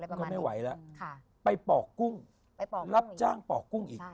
ก็ไม่ไหวแล้วไปปอกกุ้งรับจ้างปอกกุ้งอีก